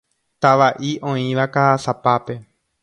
Tava'i oĩva Ka'asapápe.